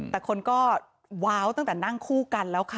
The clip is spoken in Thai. แต่คนก็ว้าวตั้งแต่นั่งคู่กันแล้วค่ะ